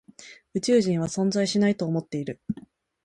宇宙人は存在しないと思っている。